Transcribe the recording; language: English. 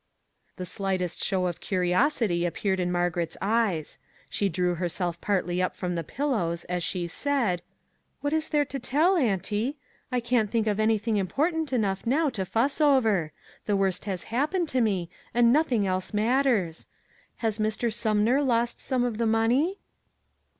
The slightest show of curiosity appeared in Margaret's eyes she drew herself partly up from the pillows as she said: " What is there to tell, auntie ? I can't think of anything important enough now to fuss over ; the worst has happened to me, and noth 397 MAG AND MARGARET ing else matters. Has Mr. Sumner lost some of the money?